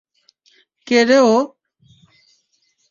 কে রে ও?